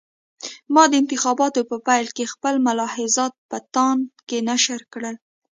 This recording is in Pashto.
ما د انتخاباتو په پیل کې خپل ملاحضات په تاند کې نشر کړل.